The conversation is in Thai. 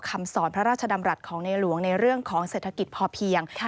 คำสอนพระราชดำรัฐของในหลวงในเรื่องของเศรษฐกิจพอเพียง